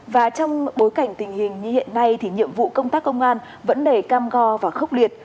và trong bối cảnh tình hình như hiện nay thì nhiệm vụ công tác công an vẫn đầy cam go và khốc liệt